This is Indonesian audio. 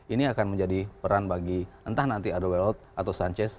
ini akan menjadi peran bagi entah nanti ada world atau sanchez